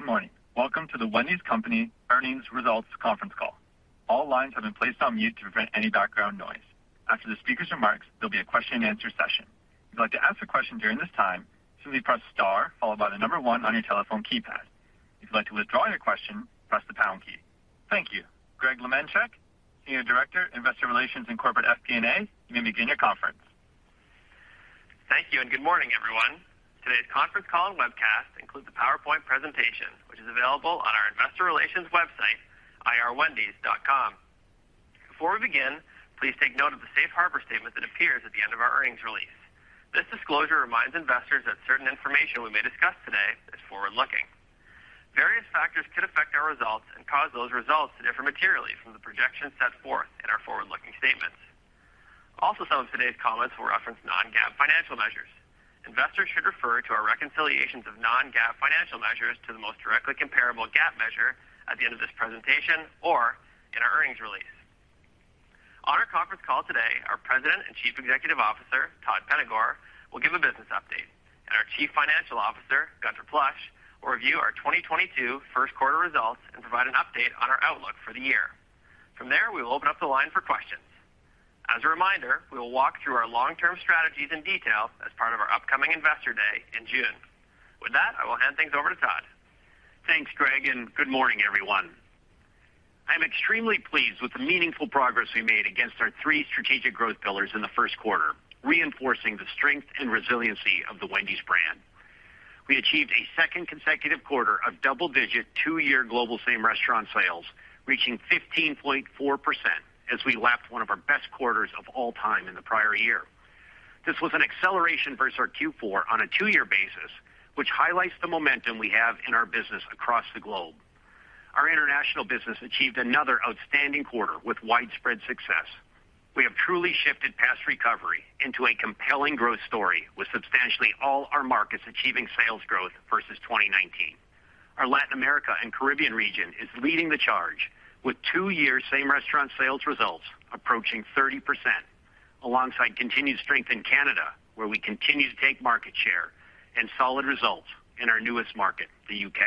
Good morning. Welcome to The Wendy's Company Earnings Results Conference Call. All lines have been placed on mute to prevent any background noise. After the speaker's remarks, there'll be a question-and-answer session. If you'd like to ask a question during this time, simply press star followed by the number one on your telephone keypad. If you'd like to withdraw your question, press the pound key. Thank you. Greg Lemenchick, Senior Director, Investor Relations and Corporate FP&A, you may begin your conference. Thank you, and good morning, everyone. Today's conference call and webcast includes a PowerPoint presentation, which is available on our investor relations website, irwendys.com. Before we begin, please take note of the safe harbor statement that appears at the end of our earnings release. This disclosure reminds investors that certain information we may discuss today is forward-looking. Various factors could affect our results and cause those results to differ materially from the projections set forth in our forward-looking statements. Also, some of today's comments will reference non-GAAP financial measures. Investors should refer to our reconciliations of non-GAAP financial measures to the most directly comparable GAAP measure at the end of this presentation or in our earnings release. On our conference call today, our President and Chief Executive Officer, Todd Penegor, will give a business update, and our Chief Financial Officer, Gunther Plosch, will review our 2022 first quarter results and provide an update on our outlook for the year. From there, we will open up the line for questions. As a reminder, we will walk through our long-term strategies in detail as part of our upcoming Investor Day in June. With that, I will hand things over to Todd. Thanks, Greg, and good morning, everyone. I'm extremely pleased with the meaningful progress we made against our three strategic growth pillars in the first quarter, reinforcing the strength and resiliency of the Wendy's brand. We achieved a second consecutive quarter of double-digit, two-year global same restaurant sales, reaching 15.4% as we lapped one of our best quarters of all time in the prior year. This was an acceleration versus our Q4 on a two-year basis, which highlights the momentum we have in our business across the globe. Our international business achieved another outstanding quarter with widespread success. We have truly shifted past recovery into a compelling growth story with substantially all our markets achieving sales growth versus 2019. Our Latin America and Caribbean region is leading the charge with two-year same-restaurant sales results approaching 30% alongside continued strength in Canada, where we continue to take market share and solid results in our newest market, the U.K.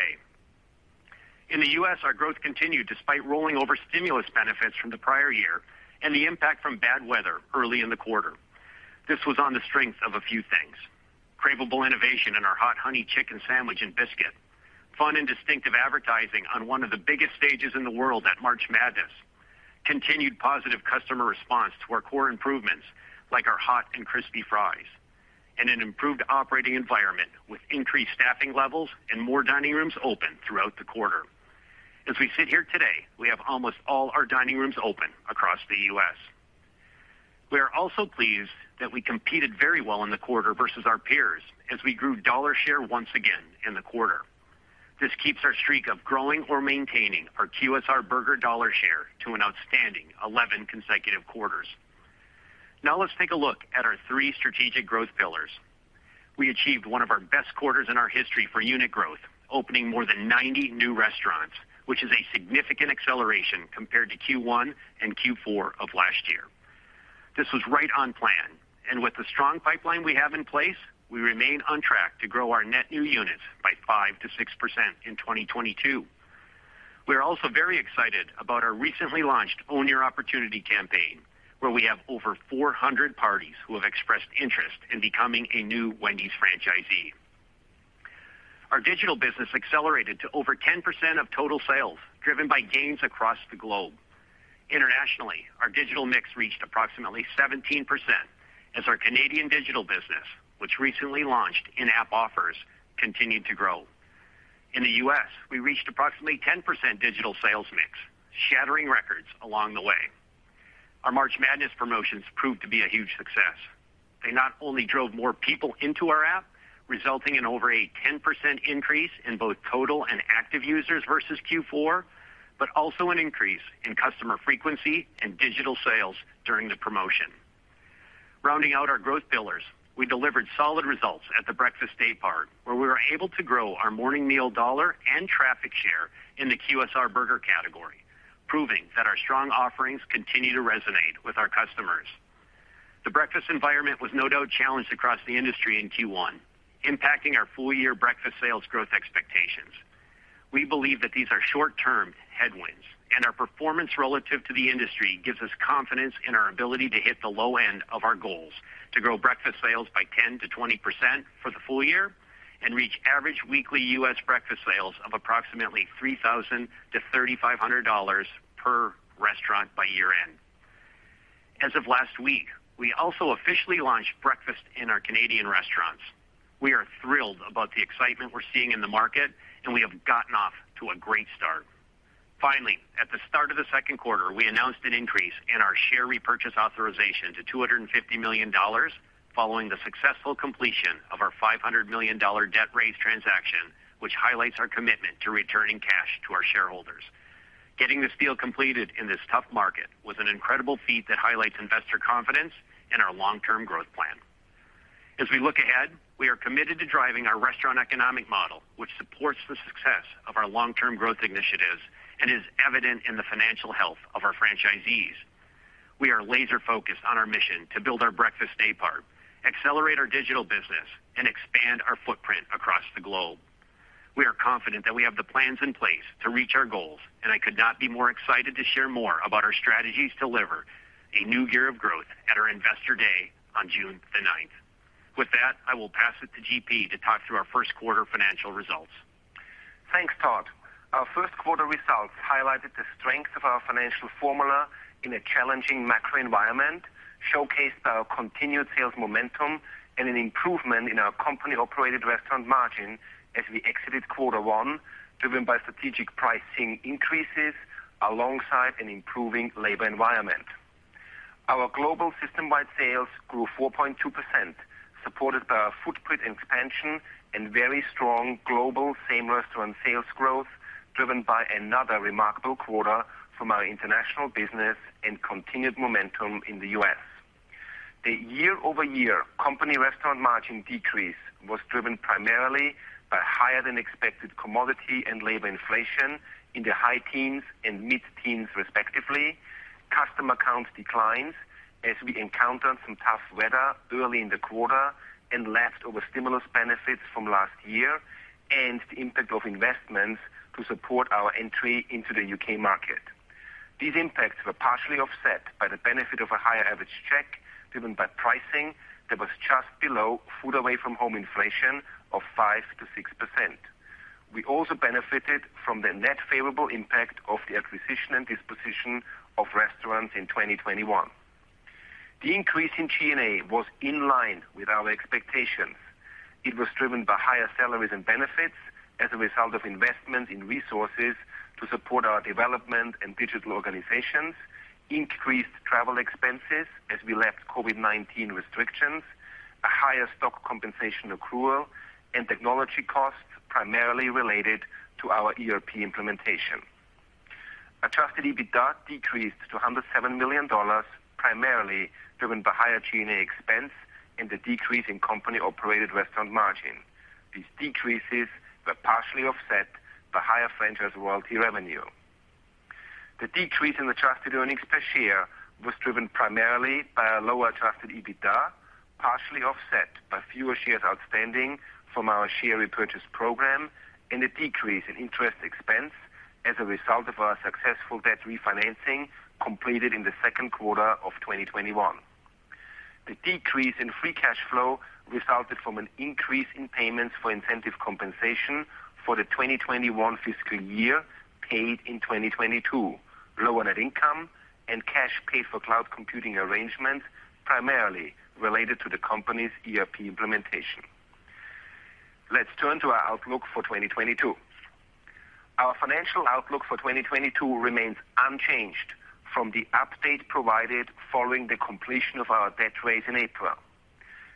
In the U.S., our growth continued despite rolling over stimulus benefits from the prior year and the impact from bad weather early in the quarter. This was on the strength of a few things. Craveable innovation in our Hot Honey Chicken Sandwich and biscuit, fun and distinctive advertising on one of the biggest stages in the world at March Madness, continued positive customer response to our core improvements like our Hot & Crispy Fries, and an improved operating environment with increased staffing levels and more dining rooms open throughout the quarter. As we sit here today, we have almost all our dining rooms open across the U.S. We are also pleased that we competed very well in the quarter versus our peers as we grew dollar share once again in the quarter. This keeps our streak of growing or maintaining our QSR burger dollar share to an outstanding 11 consecutive quarters. Now let's take a look at our three strategic growth pillars. We achieved one of our best quarters in our history for unit growth, opening more than 90 new restaurants, which is a significant acceleration compared to Q1 and Q4 of last year. This was right on plan, and with the strong pipeline we have in place, we remain on track to grow our net new units by 5%-6% in 2022. We are also very excited about our recently launched Own Your Opportunity campaign, where we have over 400 parties who have expressed interest in becoming a new Wendy's franchisee. Our digital business accelerated to over 10% of total sales, driven by gains across the globe. Internationally, our digital mix reached approximately 17% as our Canadian digital business, which recently launched in-app offers, continued to grow. In the US, we reached approximately 10% digital sales mix, shattering records along the way. Our March Madness promotions proved to be a huge success. They not only drove more people into our app, resulting in over a 10% increase in both total and active users versus Q4, but also an increase in customer frequency and digital sales during the promotion. Rounding out our growth pillars, we delivered solid results at the breakfast daypart, where we were able to grow our morning meal dollar and traffic share in the QSR burger category, proving that our strong offerings continue to resonate with our customers. The breakfast environment was no doubt challenged across the industry in Q1, impacting our full-year breakfast sales growth expectations. We believe that these are short-term headwinds, and our performance relative to the industry gives us confidence in our ability to hit the low end of our goals to grow breakfast sales by 10%-20% for the full year and reach average weekly U.S. breakfast sales of approximately $3,000-$3,500 per restaurant by year-end. As of last week, we also officially launched breakfast in our Canadian restaurants. We are thrilled about the excitement we're seeing in the market, and we have gotten off to a great start. Finally, at the start of the second quarter, we announced an increase in our share repurchase authorization to $250 million following the successful completion of our $500 million debt raise transaction, which highlights our commitment to returning cash to our shareholders. Getting this deal completed in this tough market was an incredible feat that highlights investor confidence in our long-term growth plan. As we look ahead, we are committed to driving our restaurant economic model, which supports the success of our long-term growth initiatives and is evident in the financial health of our franchisees. We are laser focused on our mission to build our breakfast day part, accelerate our digital business, and expand our footprint across the globe. We are confident that we have the plans in place to reach our goals, and I could not be more excited to share more about our strategies to deliver a new year of growth at our Investor Day on June 9. With that, I will pass it to GP to talk through our first quarter financial results. Thanks, Todd. Our first quarter results highlighted the strength of our financial formula in a challenging macro environment, showcased our continued sales momentum and an improvement in our company-operated restaurant margin as we exited quarter 1, driven by strategic pricing increases alongside an improving labor environment. Our global system-wide sales grew 4.2%, supported by our footprint expansion and very strong global same restaurant sales growth, driven by another remarkable quarter from our international business and continued momentum in the U.S. The year-over-year company restaurant margin decrease was driven primarily by higher than expected commodity and labor inflation in the high teens and mid-teens respectively, customer count declines as we encountered some tough weather early in the quarter and left over stimulus benefits from last year, and the impact of investments to support our entry into the U.K. market. These impacts were partially offset by the benefit of a higher average check driven by pricing that was just below food away from home inflation of 5%-6%. We also benefited from the net favorable impact of the acquisition and disposition of restaurants in 2021. The increase in G&A was in line with our expectations. It was driven by higher salaries and benefits as a result of investment in resources to support our development and digital organizations, increased travel expenses as we left COVID-19 restrictions, a higher stock compensation accrual, and technology costs primarily related to our ERP implementation. Adjusted EBITDA decreased to $107 million, primarily driven by higher G&A expense and the decrease in company-operated restaurant margin. These decreases were partially offset by higher franchise royalty revenue. The decrease in adjusted earnings per share was driven primarily by a lower adjusted EBITDA, partially offset by fewer shares outstanding from our share repurchase program and a decrease in interest expense as a result of our successful debt refinancing completed in the second quarter of 2021. The decrease in free cash flow resulted from an increase in payments for incentive compensation for the 2021 fiscal year paid in 2022, lower net income, and cash paid for cloud computing arrangements primarily related to the company's ERP implementation. Let's turn to our outlook for 2022. Our financial outlook for 2022 remains unchanged from the update provided following the completion of our debt raise in April.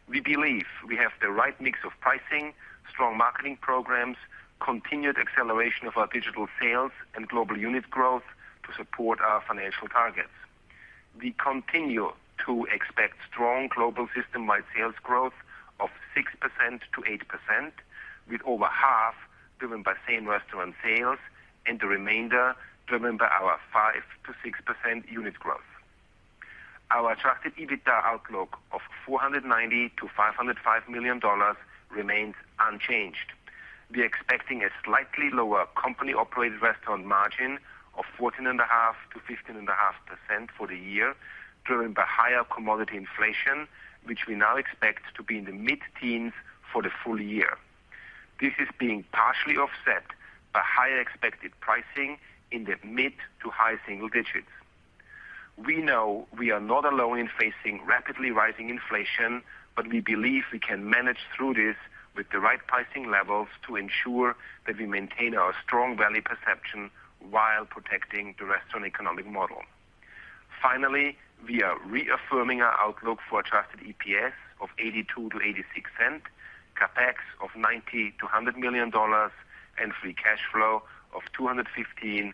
We believe we have the right mix of pricing, strong marketing programs, continued acceleration of our digital sales and global unit growth to support our financial targets. We continue to expect strong global system-wide sales growth of 6%-8%, with over half driven by same restaurant sales and the remainder driven by our 5%-6% unit growth. Our adjusted EBITDA outlook of $490 million-$505 million remains unchanged. We are expecting a slightly lower company-operated restaurant margin of 14.5%-15.5% for the year, driven by higher commodity inflation, which we now expect to be in the mid-teens for the full year. This is being partially offset by higher expected pricing in the mid to high single digits. We know we are not alone in facing rapidly rising inflation, but we believe we can manage through this with the right pricing levels to ensure that we maintain our strong value perception while protecting the restaurant economic model. Finally, we are reaffirming our outlook for adjusted EPS of $0.82-$0.86, CapEx of $90-$100 million, and free cash flow of $215-$225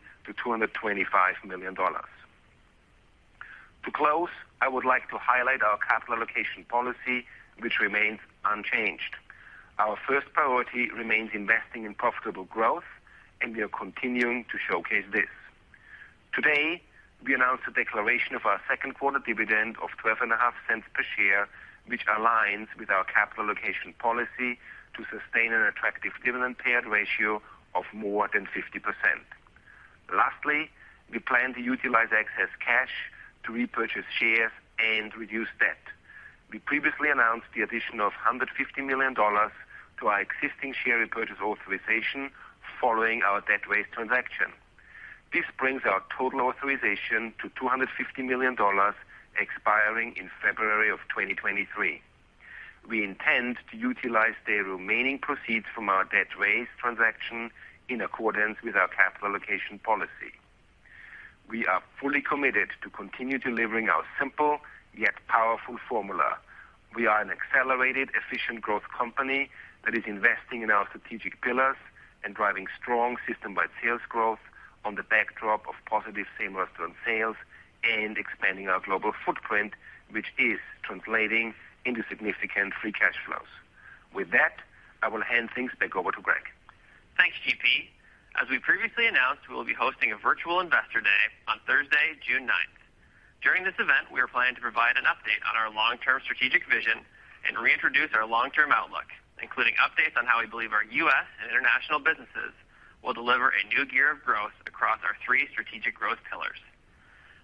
million. To close, I would like to highlight our capital allocation policy, which remains unchanged. Our first priority remains investing in profitable growth, and we are continuing to showcase this. Today, we announced a declaration of our second quarter dividend of $0.125 per share, which aligns with our capital allocation policy to sustain an attractive dividend payout ratio of more than 50%. Lastly, we plan to utilize excess cash to repurchase shares and reduce debt. We previously announced the addition of $150 million to our existing share repurchase authorization following our debt raise transaction. This brings our total authorization to $250 million expiring in February 2023. We intend to utilize the remaining proceeds from our debt raise transaction in accordance with our capital allocation policy. We are fully committed to continue delivering our simple yet powerful formula. We are an accelerated efficient growth company that is investing in our strategic pillars and driving strong system-wide sales growth on the backdrop of positive same restaurant sales and expanding our global footprint, which is translating into significant free cash flows. With that, I will hand things back over to Greg. As we previously announced, we will be hosting a virtual Investor Day on Thursday, June ninth. During this event, we are planning to provide an update on our long-term strategic vision and reintroduce our long-term outlook, including updates on how we believe our U.S. and international businesses will deliver a new gear of growth across our three strategic growth pillars.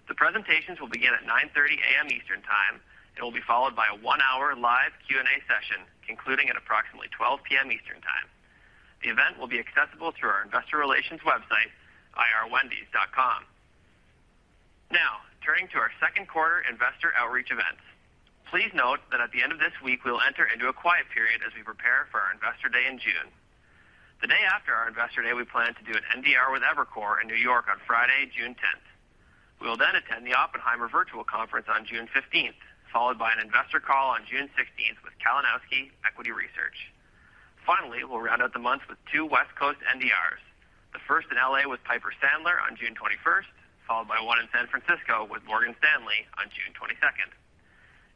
The presentations will begin at 9:30 A.M. Eastern Time and will be followed by a one-hour live Q&A session, concluding at approximately 12:00 P.M. Eastern Time. The event will be accessible through our investor relations website, irwendys.com. Now, turning to our second quarter investor outreach events. Please note that at the end of this week, we'll enter into a quiet period as we prepare for our Investor Day in June. The day after our Investor Day, we plan to do an NDR with Evercore in New York on Friday, June 10th. We will then attend the Oppenheimer Virtual Conference on June 15th, followed by an investor call on June 16th with Kalinowski Equity Research. Finally, we'll round out the month with two West Coast NDRs. The first in L.A. with Piper Sandler on June 21st, followed by one in San Francisco with Morgan Stanley on June 22nd.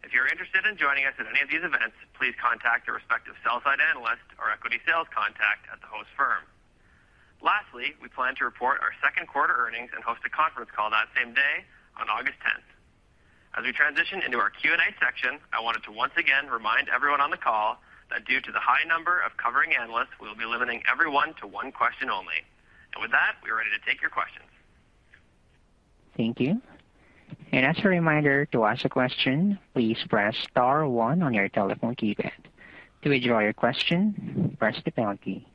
If you're interested in joining us at any of these events, please contact your respective sell side analyst or equity sales contact at the host firm. Lastly, we plan to report our second quarter earnings and host a conference call that same day on August 10th. As we transition into our Q&A section, I wanted to once again remind everyone on the call that due to the high number of covering analysts, we will be limiting everyone to one question only. With that, we are ready to take your questions. Thank you. As a reminder, to ask a question, please press star one on your telephone keypad. To withdraw your question, press the pound key.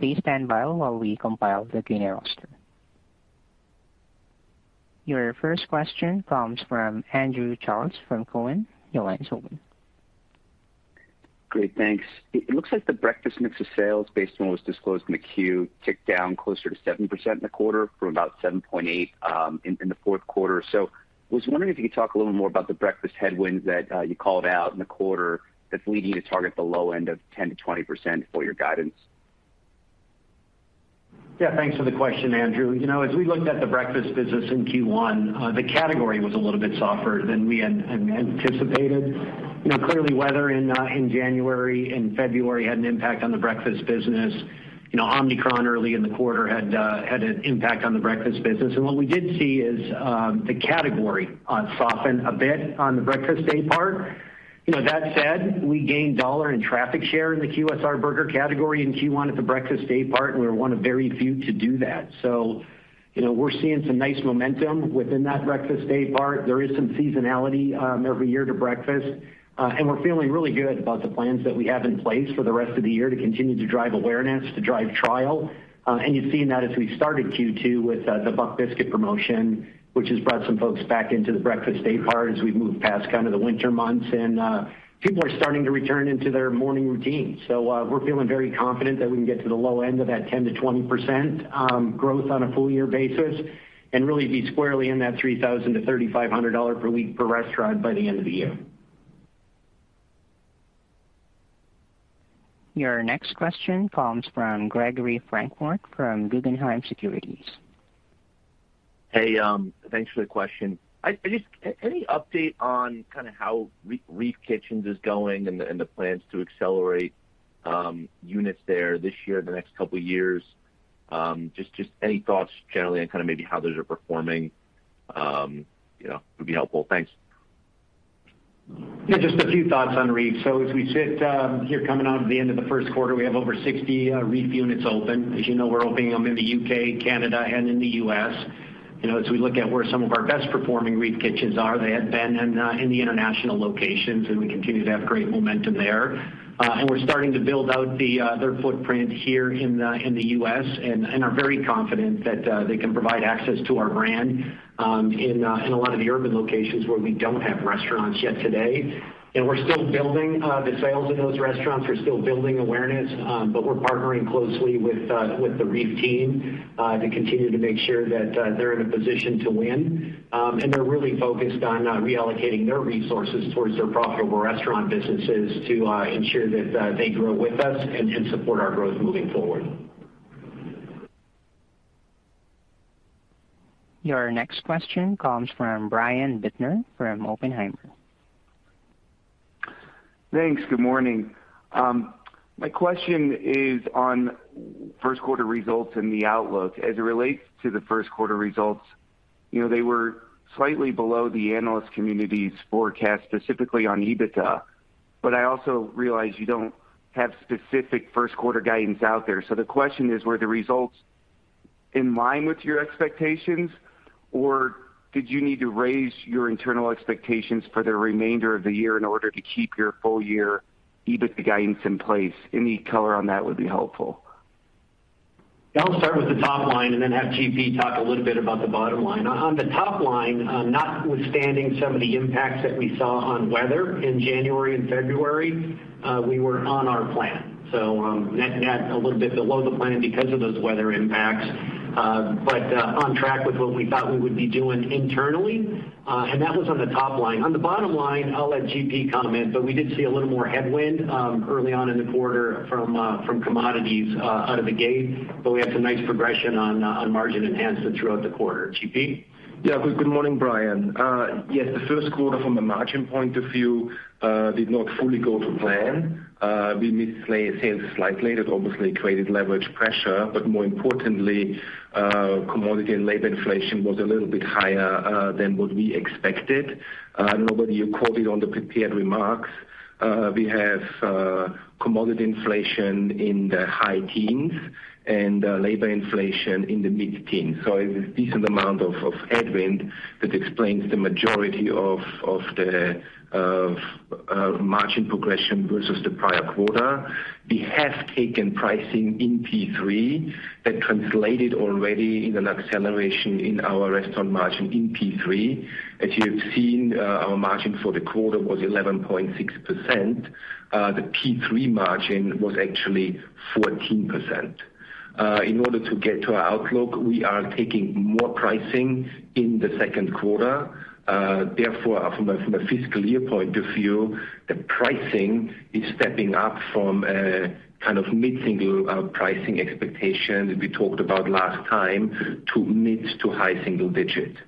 Please stand by while we compile the Q&A roster. Your first question comes from Andrew Charles from Cowen. Your line is open. Great. Thanks. It looks like the breakfast mix of sales based on what was disclosed in the Q ticked down closer to 7% in the quarter from about 7.8 in the fourth quarter. I was wondering if you could talk a little more about the breakfast headwinds that you called out in the quarter that's leading you to target the low end of 10%-20% for your guidance. Yeah, thanks for the question, Andrew. You know, as we looked at the breakfast business in Q1, the category was a little bit softer than we anticipated. You know, clearly weather in January and February had an impact on the breakfast business. You know, Omicron early in the quarter had an impact on the breakfast business. What we did see is, the category soften a bit on the breakfast day part. You know, that said, we gained dollar and traffic share in the QSR burger category in Q1 at the breakfast day part, and we're one of very few to do that. You know, we're seeing some nice momentum within that breakfast day part. There is some seasonality every year to breakfast. We're feeling really good about the plans that we have in place for the rest of the year to continue to drive awareness, to drive trial. You've seen that as we started Q2 with the Buck Biscuit promotion, which has brought some folks back into the breakfast daypart as we've moved past kind of the winter months. People are starting to return into their morning routine. We're feeling very confident that we can get to the low end of that 10%-20% growth on a full year basis and really be squarely in that $3,000-$3,500 per week per restaurant by the end of the year. Your next question comes from Gregory Francfort from Guggenheim Securities. Hey, thanks for the question. Any update on kind of how REEF Kitchens is going and the plans to accelerate units there this year, the next couple years? Any thoughts generally on kind of maybe how those are performing, you know, would be helpful. Thanks. Yeah, just a few thoughts on REEF. As we sit here coming out of the end of the first quarter, we have over 60 REEF units open. As you know, we're opening them in the U.K., Canada, and in the U.S. You know, as we look at where some of our best performing REEF kitchens are, they have been in the international locations, and we continue to have great momentum there. We're starting to build out their footprint here in the U.S. and are very confident that they can provide access to our brand in a lot of the urban locations where we don't have restaurants yet today. You know, we're still building the sales in those restaurants. We're still building awareness, but we're partnering closely with the REEF team to continue to make sure that they're in a position to win. They're really focused on reallocating their resources towards their profitable restaurant businesses to ensure that they grow with us and support our growth moving forward. Your next question comes from Brian Bittner from Oppenheimer. Thanks. Good morning. My question is on first quarter results and the outlook. As it relates to the first quarter results, you know, they were slightly below the analyst community's forecast, specifically on EBITDA, but I also realize you don't have specific first quarter guidance out there. So the question is, were the results in line with your expectations, or did you need to raise your internal expectations for the remainder of the year in order to keep your full year EBITDA guidance in place? Any color on that would be helpful. I'll start with the top line and then have GP talk a little bit about the bottom line. On the top line, notwithstanding some of the impacts that we saw on weather in January and February, we were on our plan. Net a little bit below the plan because of those weather impacts, but on track with what we thought we would be doing internally, and that was on the top line. On the bottom line, I'll let GP comment, but we did see a little more headwind early on in the quarter from commodities out of the gate, but we had some nice progression on margin enhancement throughout the quarter. GP. Yeah. Good morning, Brian. Yes, the first quarter from a margin point of view did not fully go to plan. We missed sales slightly. That obviously created leverage pressure, but more importantly, commodity and labor inflation was a little bit higher than what we expected. We have commodity inflation in the high teens and labor inflation in the mid-teens. A decent amount of headwind that explains the majority of the margin progression versus the prior quarter. We have taken pricing in Q3 that translated already in an acceleration in our restaurant margin in Q3. As you have seen, our margin for the quarter was 11.6%. The Q3 margin was actually 14%. In order to get to our outlook, we are taking more pricing in the second quarter. Therefore, from a fiscal year point of view, the pricing is stepping up from a kind of mid-single pricing expectation that we talked about last time to mid-to-high single digits.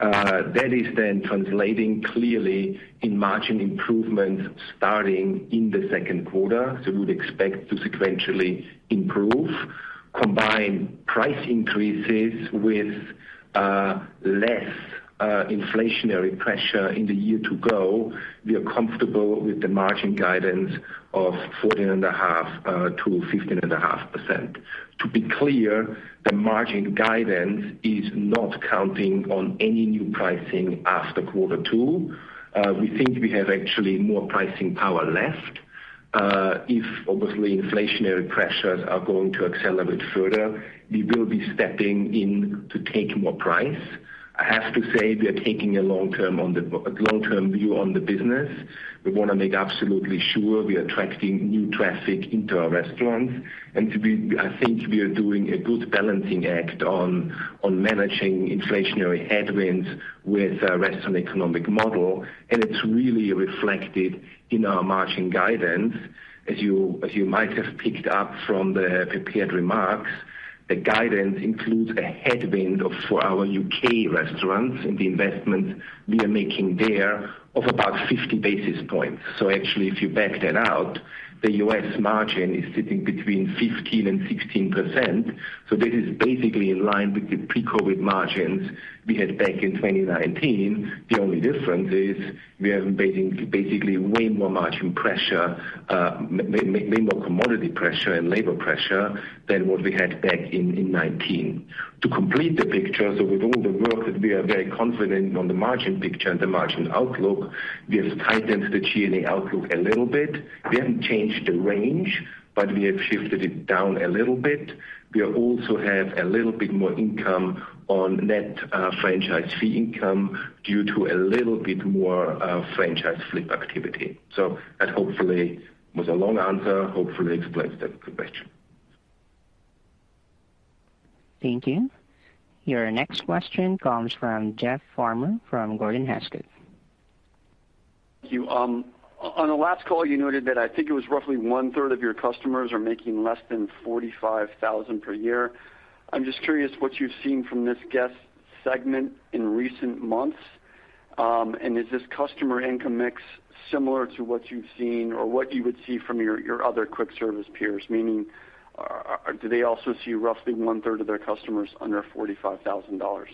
That is then translating clearly in margin improvements starting in the second quarter. We would expect to sequentially improve, combine price increases with less inflationary pressure in the year to go. We are comfortable with the margin guidance of 14.5%-15.5%. To be clear, the margin guidance is not counting on any new pricing after quarter two. We think we have actually more pricing power left. If obviously inflationary pressures are going to accelerate further, we will be stepping in to take more price. I have to say we are taking a long-term view on the business. We want to make absolutely sure we are attracting new traffic into our restaurants. I think we are doing a good balancing act on managing inflationary headwinds with a restaurant economic model, and it's really reflected in our margin guidance. As you might have picked up from the prepared remarks, the guidance includes a headwind for our UK restaurants and the investment we are making there of about 50 basis points. Actually, if you back that out, the US margin is sitting between 15% and 16%. This is basically in line with the pre-COVID margins we had back in 2019. The only difference is we are facing basically way more margin pressure, way more commodity pressure and labor pressure than what we had back in 2019. To complete the picture, with all the work that we are very confident on the margin picture and the margin outlook, we have tightened the G&A outlook a little bit. We haven't changed the range, but we have shifted it down a little bit. We also have a little bit more income on net, franchise fee income due to a little bit more franchise flip activity. That hopefully was a long answer, hopefully explains that question. Thank you. Your next question comes from Jeff Farmer from Gordon Haskett. Thank you. On the last call you noted that I think it was roughly one-third of your customers are making less than $45,000 per year. I'm just curious what you've seen from this guest segment in recent months. Is this customer income mix similar to what you've seen or what you would see from your other quick service peers? Meaning, do they also see roughly one-third of their customers under $45,000?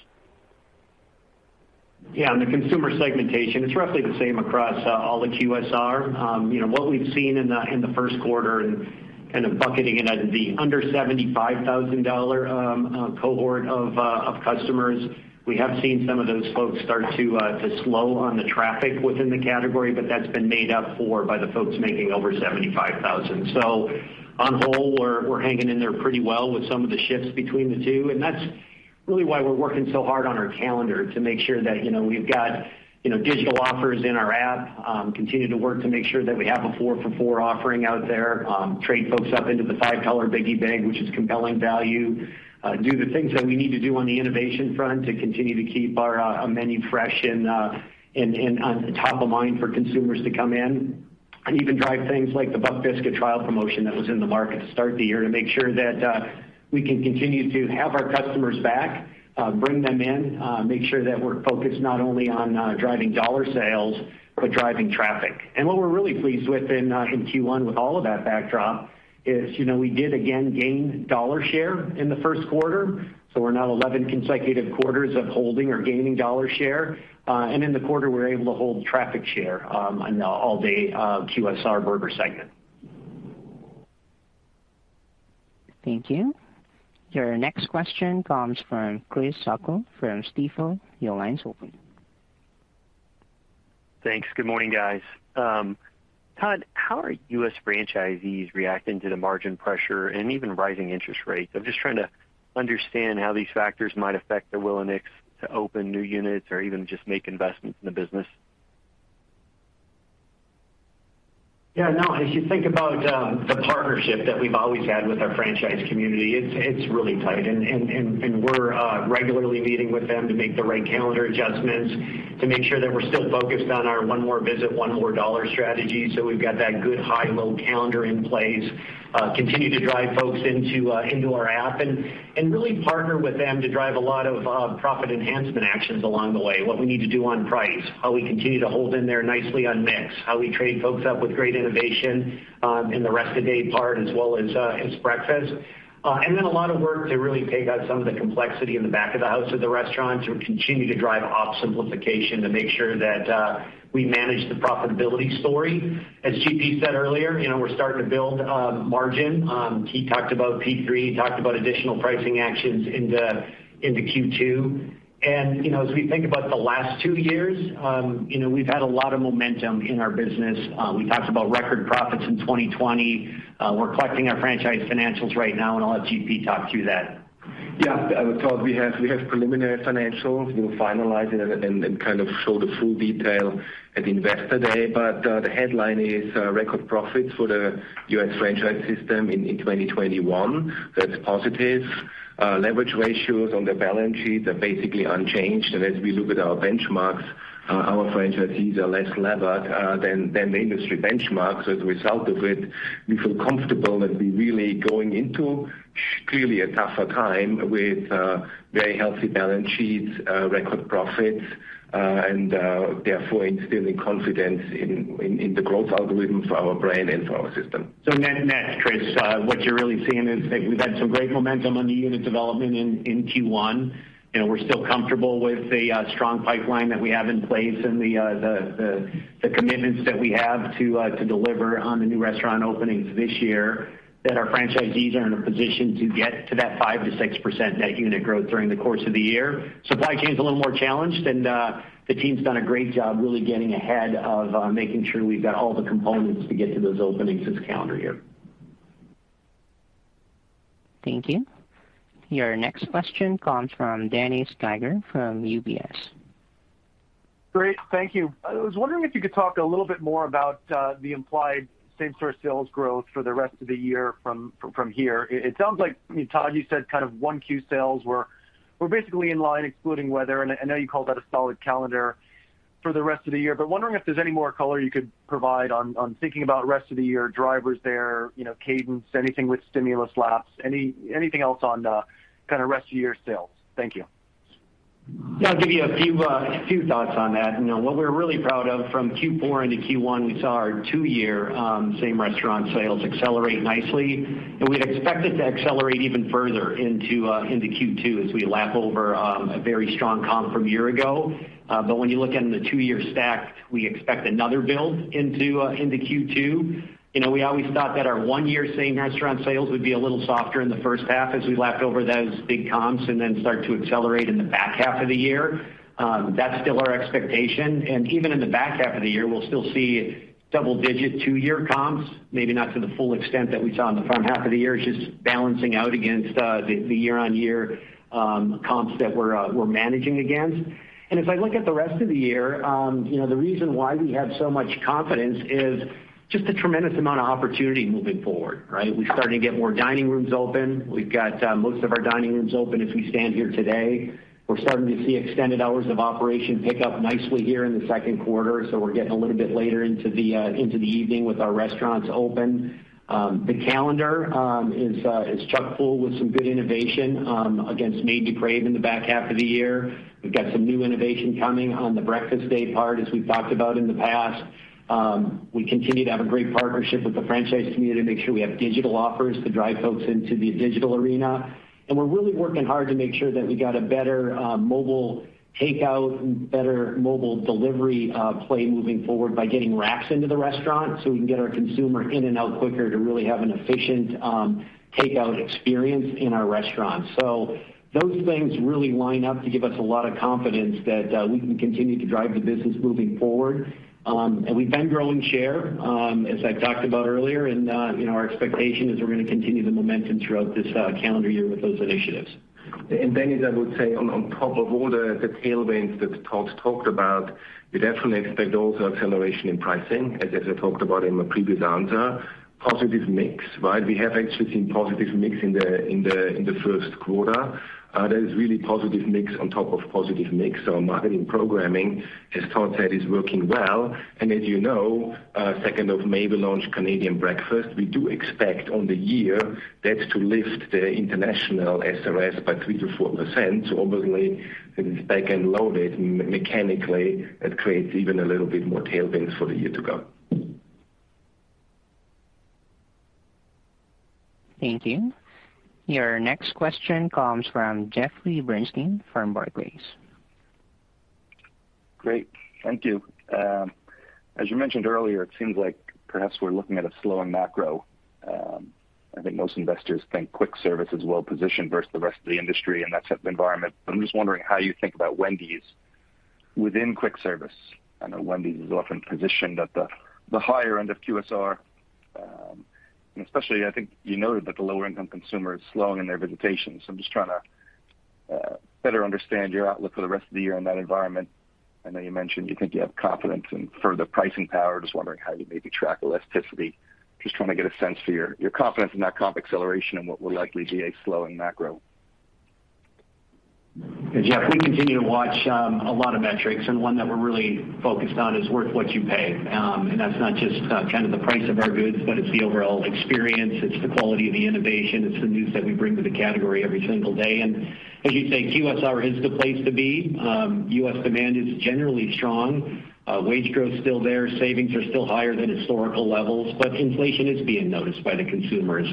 Yeah, on the consumer segmentation, it's roughly the same across all of QSR. You know what we've seen in the first quarter and kind of bucketing it as the under $75,000 cohort of customers. We have seen some of those folks start to slow on the traffic within the category, but that's been made up for by the folks making over $75,000. On whole, we're hanging in there pretty well with some of the shifts between the two. That's really why we're working so hard on our calendar to make sure that, you know, we've got digital offers in our app, continue to work to make sure that we have a 4 for $4 offering out there, trade folks up into the $5 Biggie Bag, which is compelling value. Do the things that we need to do on the innovation front to continue to keep our menu fresh and on top of mind for consumers to come in and even drive things like the Buck Biscuit trial promotion that was in the market to start the year to make sure that we can continue to have our customers back, bring them in, make sure that we're focused not only on driving dollar sales, but driving traffic. What we're really pleased with in Q1 with all of that backdrop is, you know, we did again gain dollar share in the first quarter. We're now 11 consecutive quarters of holding or gaining dollar share. In the quarter, we're able to hold traffic share on the all-day QSR burger segment. Thank you. Your next question comes from Chris O'Cull from Stifel. Your line's open. Thanks. Good morning, guys. Todd, how are U.S. franchisees reacting to the margin pressure and even rising interest rates? I'm just trying to understand how these factors might affect their willingness to open new units or even just make investments in the business. Yeah, no, as you think about the partnership that we've always had with our franchise community, it's really tight and we're regularly meeting with them to make the right calendar adjustments to make sure that we're still focused on our one more visit, one more dollar strategy. We've got that good high-low calendar in place. Continue to drive folks into our app and really partner with them to drive a lot of profit enhancement actions along the way. What we need to do on price, how we continue to hold in there nicely on mix, how we trade folks up with great innovation in the rest of day part as well as breakfast. A lot of work to really take out some of the complexity in the back of the house of the restaurant to continue to drive ops simplification to make sure that we manage the profitability story. As GP said earlier, you know, we're starting to build margin. He talked about P3. He talked about additional pricing actions into Q2. You know, as we think about the last two years, you know, we've had a lot of momentum in our business. We talked about record profits in 2020. We're collecting our franchise financials right now, and I'll let GP talk through that. I thought we have preliminary financials. We'll finalize it and kind of show the full detail at Investor Day. The headline is record profits for the US franchise system in 2021. That's positive. Leverage ratios on the balance sheet are basically unchanged. As we look at our benchmarks, our franchisees are less levered than the industry benchmarks. As a result of it, we feel comfortable that we're really going into clearly a tougher time with very healthy balance sheets, record profits, and therefore instilling confidence in the growth algorithm for our brand and for our system. Net-net, Chris, what you're really seeing is that we've had some great momentum on the unit development in Q1. We're still comfortable with the strong pipeline that we have in place and the commitments that we have to deliver on the new restaurant openings this year, that our franchisees are in a position to get to that 5%-6% net unit growth during the course of the year. Supply chain is a little more challenged, and the team's done a great job really getting ahead of making sure we've got all the components to get to those openings this calendar year. Thank you. Your next question comes from Dennis Geiger from UBS. Great. Thank you. I was wondering if you could talk a little bit more about the implied same-store sales growth for the rest of the year from here. It sounds like, I mean, Todd, you said kind of Q1 sales were basically in line excluding weather, and I know you call that a solid calendar for the rest of the year. Wondering if there's any more color you could provide on thinking about rest of the year drivers there, you know, cadence, anything with stimulus lapping, anything else on kind of rest of year sales. Thank you. Yeah. I'll give you a few thoughts on that. You know, what we're really proud of from Q4 into Q1, we saw our two-year same restaurant sales accelerate nicely. We'd expect it to accelerate even further into Q2 as we lap over a very strong comp from a year ago. When you look in the two-year stack, we expect another build into Q2. You know, we always thought that our one-year same restaurant sales would be a little softer in the first half as we lapped over those big comps and then start to accelerate in the back half of the year. That's still our expectation. Even in the back half of the year, we'll still see double digit two-year comps, maybe not to the full extent that we saw in the front half of the year, just balancing out against the year on year comps that we're managing against. As I look at the rest of the year, you know, the reason why we have so much confidence is just the tremendous amount of opportunity moving forward, right? We're starting to get more dining rooms open. We've got most of our dining rooms open as we stand here today. We're starting to see extended hours of operation pick up nicely here in the second quarter, so we're getting a little bit later into the evening with our restaurants open. The calendar is chock-full with some good innovation against Made to Crave in the back half of the year. We've got some new innovation coming on the breakfast daypart, as we've talked about in the past. We continue to have a great partnership with the franchise community to make sure we have digital offers to drive folks into the digital arena. We're really working hard to make sure that we got a better mobile takeout and better mobile delivery play moving forward by getting racks into the restaurant so we can get our consumer in and out quicker to really have an efficient takeout experience in our restaurants. Those things really line up to give us a lot of confidence that we can continue to drive the business moving forward. We've been growing share, as I've talked about earlier. You know, our expectation is we're gonna continue the momentum throughout this calendar year with those initiatives. Dennis, as I would say, on top of all the tailwinds that Todd talked about, we definitely expect also acceleration in pricing, as I talked about in my previous answer. Positive mix, right? We have actually seen positive mix in the first quarter. There is really positive mix on top of positive mix. So our marketing programming, as Todd said, is working well. As you know, May 2, we launched Canadian breakfast. We do expect on the year that's to lift the international SSS by 3%-4%. So obviously, it is back-end loaded. Mechanically, it creates even a little bit more tailwinds for the year to go. Thank you. Your next question comes from Jeffrey Bernstein from Barclays. Great. Thank you. As you mentioned earlier, it seems like perhaps we're looking at a slowing macro. I think most investors think quick service is well positioned versus the rest of the industry in that type of environment. I'm just wondering how you think about Wendy's within quick service. I know Wendy's is often positioned at the higher end of QSR. Especially, I think you noted that the lower income consumer is slowing in their visitations. I'm just trying to better understand your outlook for the rest of the year in that environment. I know you mentioned you think you have confidence in further pricing power. Just wondering how you maybe track elasticity. Just trying to get a sense for your confidence in that comp acceleration and what will likely be a slowing macro. Yeah. Jeff, we continue to watch a lot of metrics, and one that we're really focused on is worth what you pay. That's not just kind of the price of our goods, but it's the overall experience, it's the quality of the innovation, it's the news that we bring to the category every single day. As you say, QSR is the place to be. U.S. demand is generally strong. Wage growth's still there. Savings are still higher than historical levels, but inflation is being noticed by the consumers.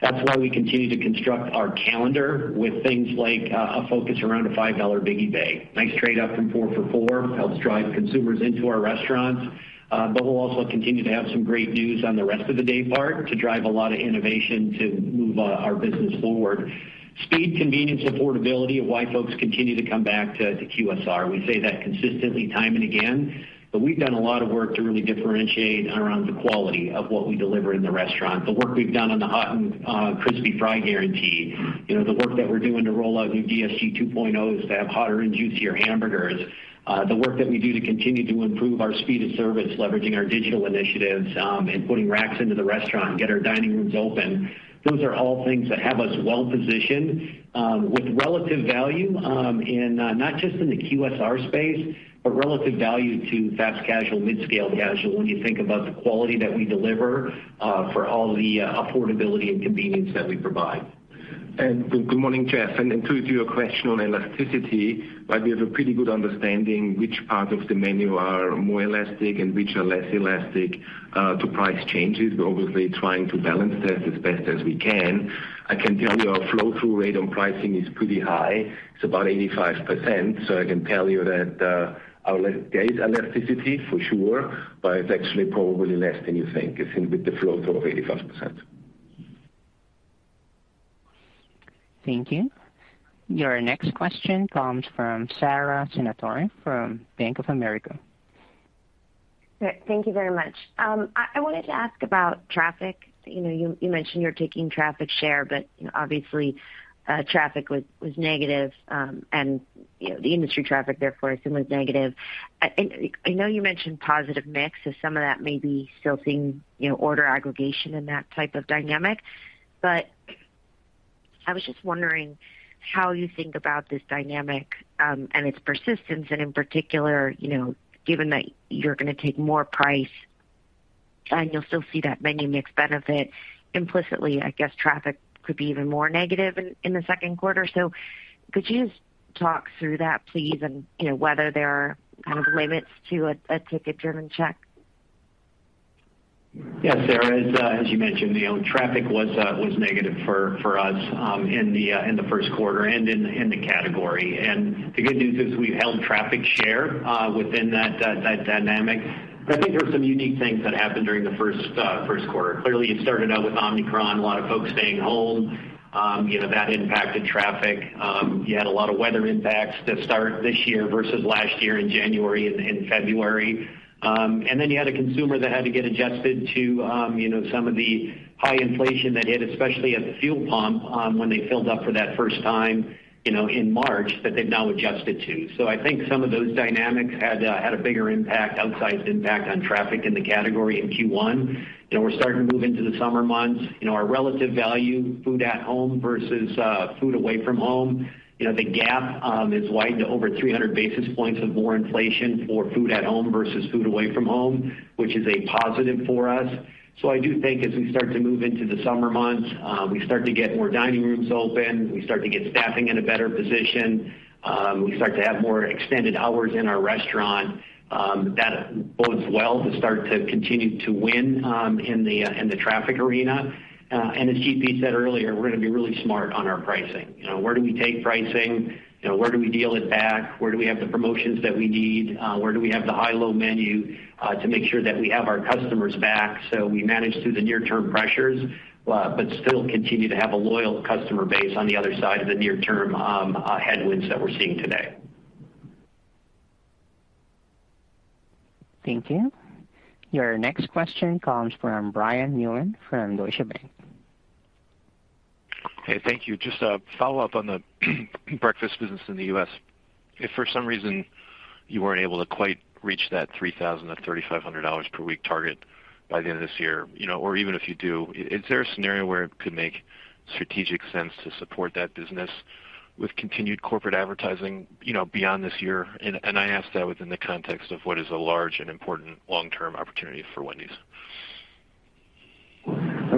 That's why we continue to construct our calendar with things like a focus around a $5 Biggie Bag. Nice trade up from 4 for $4, helps drive consumers into our restaurants. We'll also continue to have some great news on the rest of the day part to drive a lot of innovation to move our business forward. Speed, convenience, affordability are why folks continue to come back to QSR. We say that consistently time and again, but we've done a lot of work to really differentiate around the quality of what we deliver in the restaurant. The work we've done on the Hot & Crispy Fry Guarantee, you know, the work that we're doing to roll out new DFC 2.0's to have hotter and juicier hamburgers. The work that we do to continue to improve our speed of service, leveraging our digital initiatives, and putting racks into the restaurant and get our dining rooms open. Those are all things that have us well positioned with relative value in not just the QSR space, but relative value to fast casual, mid-scale casual when you think about the quality that we deliver for all the affordability and convenience that we provide. Good morning, Jeff. To your question on elasticity, while we have a pretty good understanding which part of the menu are more elastic and which are less elastic to price changes, we're obviously trying to balance that as best as we can. I can tell you our flow-through rate on pricing is pretty high. It's about 85%. I can tell you that there is elasticity for sure, but it's actually probably less than you think, I think, with the flow-through of 85%. Thank you. Your next question comes from Sara Senatore from Bank of America. Thank you very much. I wanted to ask about traffic. You know, you mentioned you're taking traffic share, but you know, obviously, traffic was negative, and you know, the industry traffic therefore, I assume, was negative. And I know you mentioned positive mix, so some of that may be still seeing, you know, order aggregation and that type of dynamic. I was just wondering how you think about this dynamic and its persistence, and in particular, you know, given that you're gonna take more price and you'll still see that menu mix benefit implicitly, I guess traffic could be even more negative in the second quarter. Could you just talk through that, please, and you know, whether there are kind of limits to a ticket-driven check? Yeah, Sara. As you mentioned, you know, traffic was negative for us in the first quarter and in the category. The good news is we've held traffic share within that dynamic. I think there were some unique things that happened during the first quarter. Clearly, it started out with Omicron, a lot of folks staying home. You know, that impacted traffic. You had a lot of weather impacts to start this year versus last year in January and February. And then you had a consumer that had to get adjusted to, you know, some of the high inflation that hit, especially at the fuel pump, when they filled up for that first time, you know, in March, that they've now adjusted to. I think some of those dynamics had a bigger, outsized impact on traffic in the category in Q1. You know, we're starting to move into the summer months. You know, our relative value, food at home versus food away from home, you know, the gap has widened to over 300 basis points or more inflation for food at home versus food away from home, which is a positive for us. I do think as we start to move into the summer months, we start to get more dining rooms open, we start to get staffing in a better position, we start to have more extended hours in our restaurant, that bodes well to start to continue to win in the traffic arena. As GP said earlier, we're gonna be really smart on our pricing. You know, where do we take pricing? You know, where do we deal it back? Where do we have the promotions that we need? Where do we have the high-low menu to make sure that we have our customers back so we manage through the near-term pressures, but still continue to have a loyal customer base on the other side of the near-term headwinds that we're seeing today. Thank you. Your next question comes from Brian Mullan from Deutsche Bank. Hey, thank you. Just a follow-up on the breakfast business in the US. If for some reason you weren't able to quite reach that $3,000-$3,500 per week target by the end of this year, you know, or even if you do, is there a scenario where it could make strategic sense to support that business with continued corporate advertising, you know, beyond this year? I ask that within the context of what is a large and important long-term opportunity for Wendy's.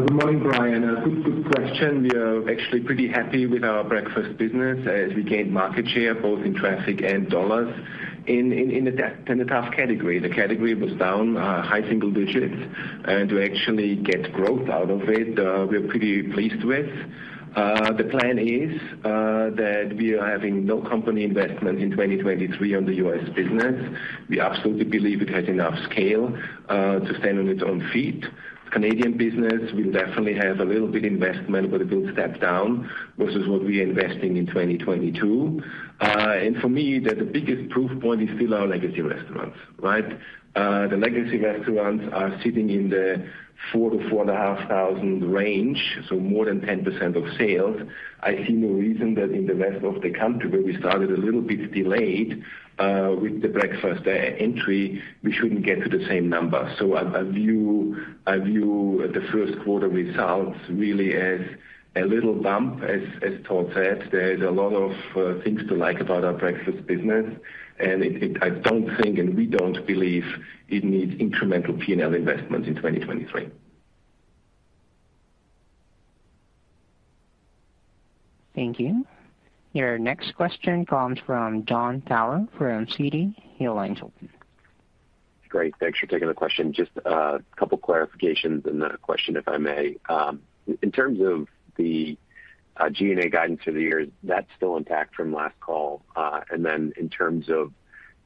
Good morning, Brian. A good question. We are actually pretty happy with our breakfast business as we gained market share both in traffic and dollars in a tough category. The category was down high single digits%, and to actually get growth out of it, we're pretty pleased with. The plan is that we are having no company investment in 2023 on the US business. We absolutely believe it has enough scale to stand on its own feet. Canadian business will definitely have a little bit investment, but it will step down versus what we are investing in 2022. For me, the biggest proof point is still our legacy restaurants, right? The legacy restaurants are sitting in the 4-4.5 thousand range, so more than 10% of sales. I see no reason that in the rest of the country where we started a little bit delayed with the breakfast entry, we shouldn't get to the same number. I view the first quarter results really as a little bump, as Todd said. There is a lot of things to like about our breakfast business, and I don't think, and we don't believe it needs incremental P&L investment in 2023. Thank you. Your next question comes from Jon Tower from Citi. Your line's open. Great. Thanks for taking the question. Just a couple clarifications and a question, if I may. In terms of the G&A guidance for the year, that's still intact from last call. In terms of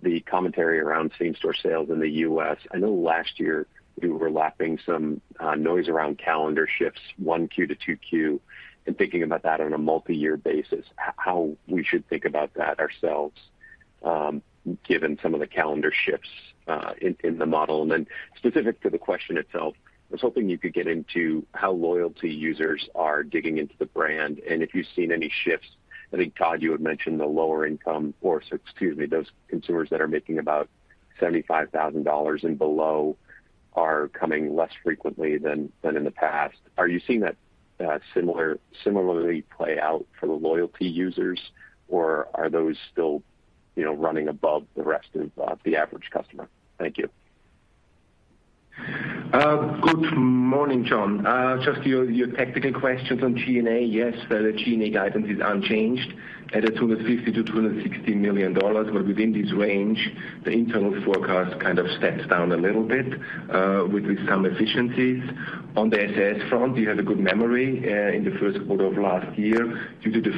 the commentary around same-store sales in the U.S., I know last year we were lapping some noise around calendar shifts, 1Q to 2Q, and thinking about that on a multiyear basis, how we should think about that ourselves. Given some of the calendar shifts in the model. Specific to the question itself, I was hoping you could get into how loyalty users are digging into the brand and if you've seen any shifts. I think, Todd, you had mentioned the lower income or, excuse me, those consumers that are making about $75,000 and below are coming less frequently than in the past. Are you seeing that similarly play out for the loyalty users, or are those still, you know, running above the rest of the average customer? Thank you. Good morning, Jon. Just to your technical questions on G&A. Yes, the G&A guidance is unchanged at $250 million-$260 million. Within this range, the internal forecast kind of steps down a little bit with some efficiencies. On the SSS front, you have a good memory. In the first quarter of last year, due to the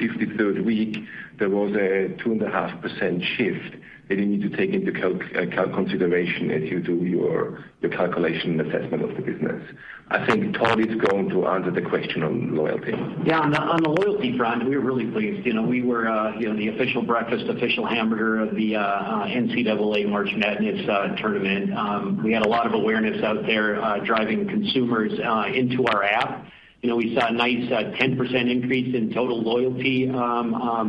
fifty-third week, there was a 2.5% shift that you need to take into consideration as you do your calculation and assessment of the business. I think Todd is going to answer the question on loyalty. Yeah. On the loyalty front, we're really pleased. You know, we were you know, the official breakfast, official hamburger of the NCAA March Madness tournament. We had a lot of awareness out there driving consumers into our app. You know, we saw a nice 10% increase in total loyalty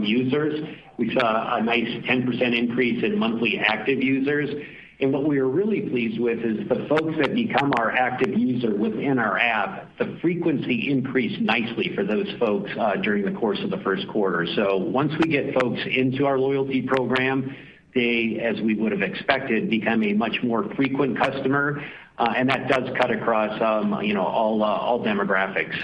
users. We saw a nice 10% increase in monthly active users. What we are really pleased with is the folks that become our active user within our app, the frequency increased nicely for those folks during the course of the first quarter. Once we get folks into our loyalty program, they, as we would have expected, become a much more frequent customer and that does cut across all demographics.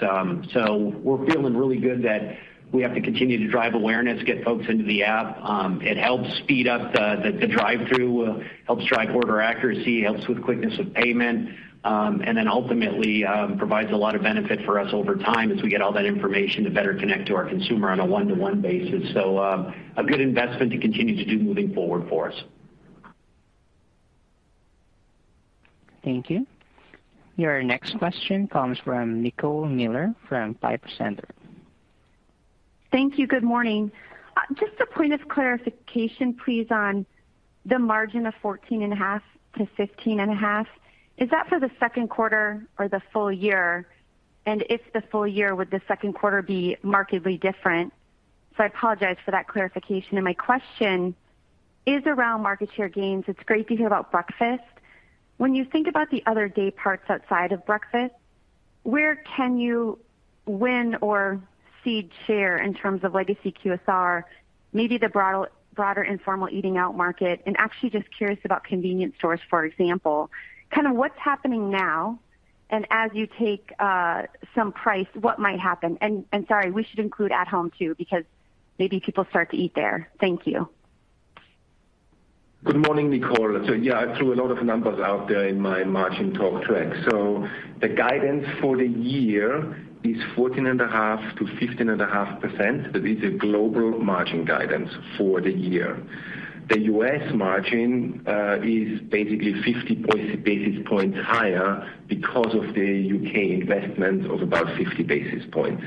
We're feeling really good that we have to continue to drive awareness, get folks into the app. It helps speed up the drive-thru, helps drive order accuracy, helps with quickness of payment, and then ultimately provides a lot of benefit for us over time as we get all that information to better connect to our consumer on a one-to-one basis. A good investment to continue to do moving forward for us. Thank you. Your next question comes from Nicole Miller from Piper Sandler. Thank you. Good morning. Just a point of clarification please, on the margin of 14.5%-15.5%. Is that for the second quarter or the full year? And if the full year, would the second quarter be markedly different? I apologize for that clarification. My question is around market share gains. It's great to hear about breakfast. When you think about the other day parts outside of breakfast, where can you win or cede share in terms of legacy QSR, maybe the broader informal eating out market? Actually just curious about convenience stores, for example, kind of what's happening now, and as you take some price, what might happen? And sorry, we should include at home too, because maybe people start to eat there. Thank you. Good morning, Nicole. Yeah, I threw a lot of numbers out there in my margin talk track. The guidance for the year is 14.5%-15.5%. That is a global margin guidance for the year. The U.S. margin is basically 50 basis points higher because of the U.K. investment of about 50 basis points.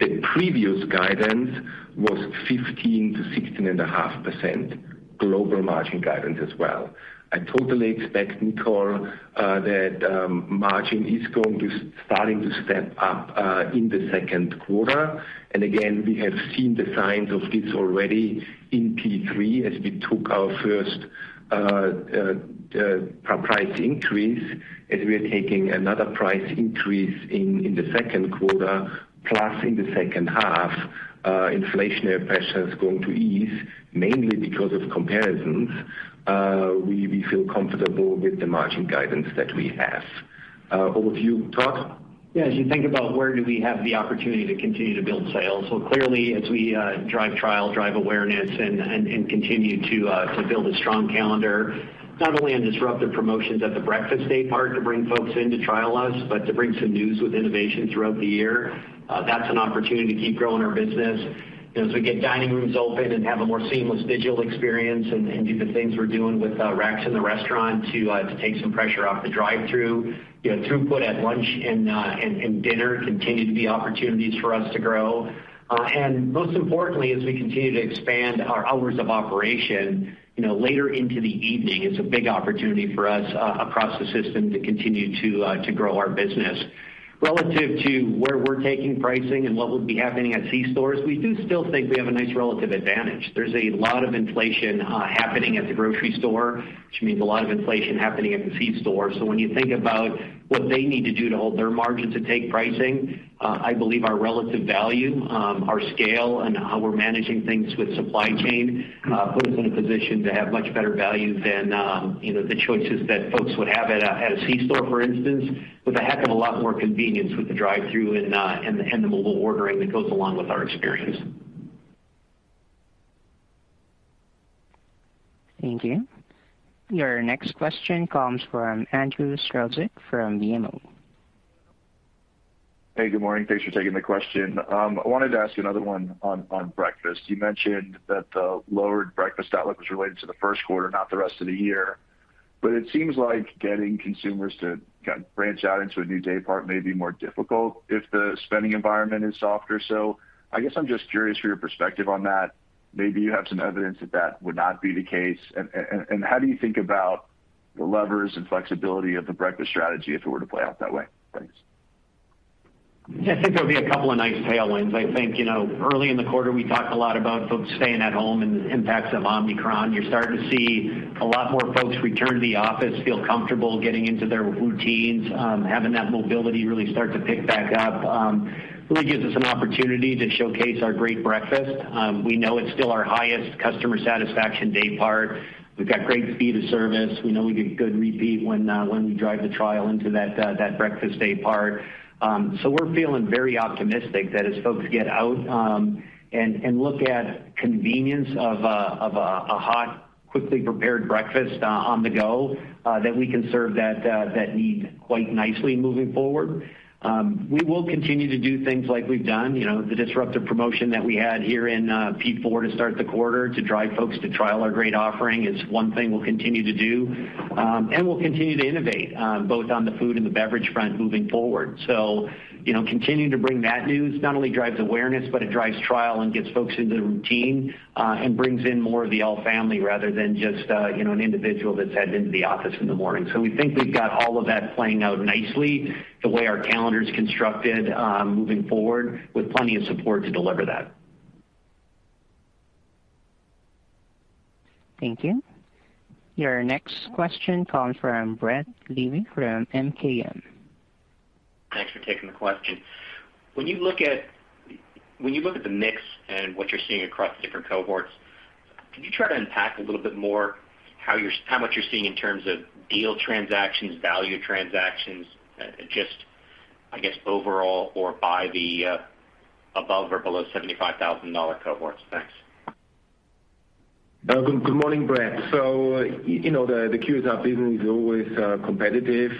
The previous guidance was 15%-16.5% global margin guidance as well. I totally expect, Nicole, that margin is going to step up in the second quarter. Again, we have seen the signs of this already in Q3 as we took our first price increase as we are taking another price increase in the second quarter, plus in the second half, inflationary pressure is going to ease mainly because of comparisons. We feel comfortable with the margin guidance that we have. Over to you, Todd. Yeah. As you think about where do we have the opportunity to continue to build sales. Clearly, as we drive trial, drive awareness and continue to build a strong calendar, not only in disruptive promotions at the breakfast day part to bring folks in to trial us, but to bring some news with innovation throughout the year. That's an opportunity to keep growing our business. You know, as we get dining rooms open and have a more seamless digital experience and do the things we're doing with racks in the restaurant to take some pressure off the drive-thru. You know, throughput at lunch and dinner continue to be opportunities for us to grow. Most importantly, as we continue to expand our hours of operation, you know, later into the evening, it's a big opportunity for us across the system to continue to grow our business. Relative to where we're taking pricing and what would be happening at c-stores, we do still think we have a nice relative advantage. There's a lot of inflation happening at the grocery store, which means a lot of inflation happening at the c-store. When you think about what they need to do to hold their margin to take pricing, I believe our relative value, our scale and how we're managing things with supply chain, put us in a position to have much better value than, you know, the choices that folks would have at a C store, for instance, with a heck of a lot more convenience with the drive-thru and the mobile ordering that goes along with our experience. Thank you. Your next question comes from Andrew Strelzik from BMO. Hey, good morning. Thanks for taking the question. I wanted to ask you another one on breakfast. You mentioned that the lowered breakfast outlook was related to the first quarter, not the rest of the year. It seems like getting consumers to kind of branch out into a new day part may be more difficult if the spending environment is softer. I guess I'm just curious for your perspective on that. Maybe you have some evidence that that would not be the case. How do you think about the levers and flexibility of the breakfast strategy if it were to play out that way? Thanks. Yeah, I think there'll be a couple of nice tailwinds. I think, you know, early in the quarter, we talked a lot about folks staying at home and the impacts of Omicron. You're starting to see a lot more folks return to the office, feel comfortable getting into their routines, having that mobility really start to pick back up, really gives us an opportunity to showcase our great breakfast. We know it's still our highest customer satisfaction day part. We've got great speed of service. We know we get good repeat when we drive the trial into that breakfast day part. So we're feeling very optimistic that as folks get out, and look at convenience of a hot, quickly prepared breakfast on the go, that we can serve that need quite nicely moving forward. We will continue to do things like we've done. You know, the disruptive promotion that we had here in Q4 to start the quarter to drive folks to trial our great offering is one thing we'll continue to do. We'll continue to innovate both on the food and the beverage front moving forward. You know, continuing to bring that new not only drives awareness, but it drives trial and gets folks into the routine, and brings in more of the whole family rather than just you know, an individual that's heading into the office in the morning. We think we've got all of that playing out nicely the way our calendar is constructed moving forward with plenty of support to deliver that. Thank you. Your next question comes from Brett Levy from MKM. Thanks for taking the question. When you look at the mix and what you're seeing across different cohorts, can you try to unpack a little bit more how much you're seeing in terms of deal transactions, value transactions, just, I guess, overall or by the above or below $75,000 cohorts? Thanks. Good morning, Brett. You know, the QSR business is always competitive.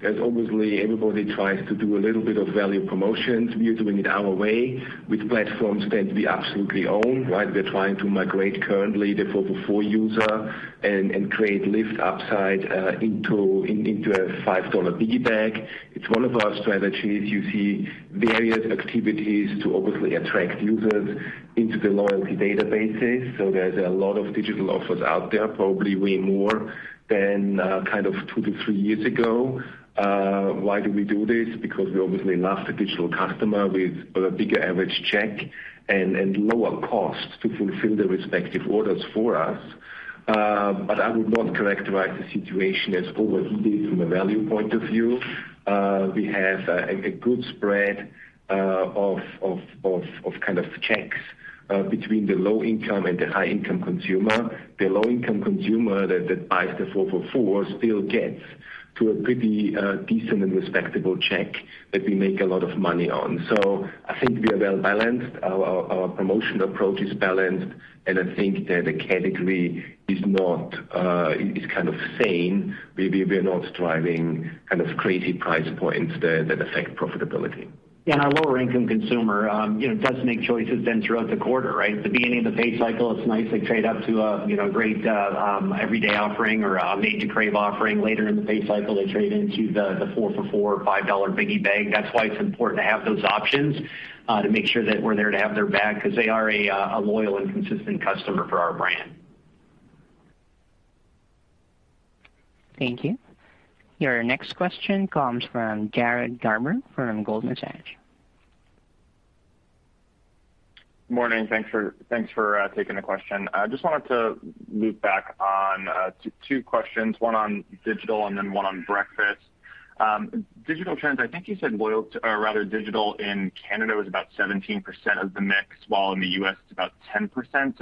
As obviously everybody tries to do a little bit of value promotions. We are doing it our way with platforms that we absolutely own, right? We're trying to migrate currently the 4 for $4 user and create lift upside into a $5 Biggie Bag. It's one of our strategies. You see various activities to obviously attract users into the loyalty databases. There's a lot of digital offers out there, probably way more than kind of two to three years ago. Why do we do this? Because we obviously love the digital customer with a bigger average check and lower cost to fulfill the respective orders for us. I would not characterize the situation as overheated from a value point of view. We have a good spread of kind of checks between the low-income and the high-income consumer. The low-income consumer that buys the 4 for $4 still gets to a pretty decent and respectable check that we make a lot of money on. I think we are well balanced. Our promotional approach is balanced, and I think that the category is kind of sane. We're not driving kind of crazy price points that affect profitability. Our lower income consumer, you know, does make choices then throughout the quarter, right? At the beginning of the pay cycle, it's nice to trade up to a, you know, great everyday offering or a Made to Crave offering. Later in the pay cycle, they trade into the 4 for $4, $5 Biggie Bag. That's why it's important to have those options to make sure that we're there to have their back because they are a loyal and consistent customer for our brand. Thank you. Your next question comes from Jared Garber from Goldman Sachs. Morning. Thanks for taking the question. I just wanted to loop back on 2 questions, one on digital and then one on breakfast. Digital trends, I think you said digital in Canada was about 17% of the mix, while in the US it's about 10%.